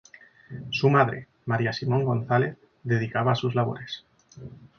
Su madre: María Simón González, dedicada a sus labores.